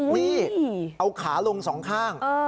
นี่เอาขาลงสองข้าง